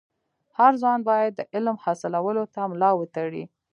هر ځوان باید د علم حاصلولو ته ملا و تړي.